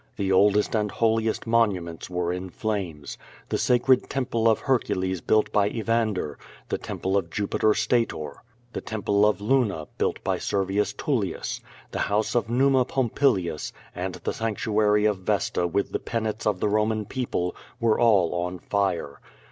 The oldest and holiest monuments were in flames. The sacred temple of Hercules built by Evander; the temple of Jupiter Stator; the temple of Luna, built by Servius Tullius; the house of Numa Pompilius, and the sanctuary of Vesta with the penates of the Koman people, were all on fire.